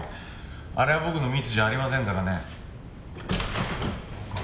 あれは僕のミスじゃありませんからね。